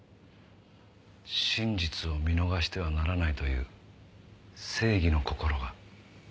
真実を見逃してはならないという正義の心が。